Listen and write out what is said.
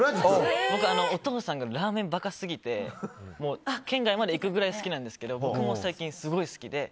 僕、お父さんがラーメン馬鹿すぎて県外まで行くくらい好きなんですけど僕も最近、すごく好きで。